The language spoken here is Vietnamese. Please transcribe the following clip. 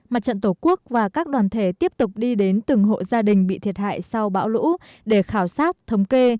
mặt trận tổ quốc và các đoàn thể tiếp tục đi đến từng hộ gia đình bị thiệt hại sau bão lũ để khảo sát thống kê